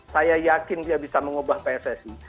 saya yakin dia bisa mengubah pssi